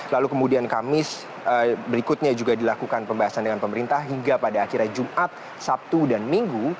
lalu kemudian kamis berikutnya juga dilakukan pembahasan dengan pemerintah hingga pada akhirnya jumat sabtu dan minggu